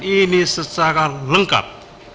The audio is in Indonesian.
ini secara lengkap